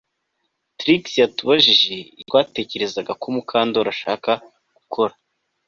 Trix yatubajije icyo twatekerezaga ko Mukandoli ashaka gukora